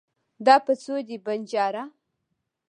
دا په څو دی ؟ بنجاره